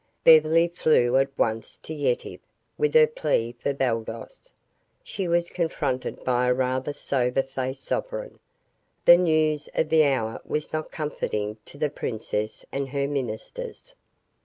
Beverly flew at once to Yetive with her plea for Baldos. She was confronted by a rather sober faced sovereign. The news of the hour was not comforting to the princess and her ministers.